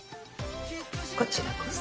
こちらこそ。